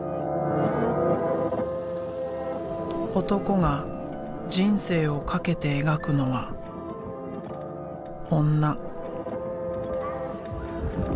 男が人生をかけて描くのは「女」。